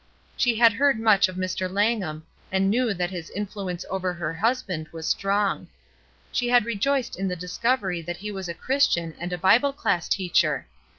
She "WOULDN'T YOU?" 271 had heard much of Mr. Langham and knew that his influence over her husband was strong. She had rejoiced in the discovery that he was a Christian and a Bible class teacher.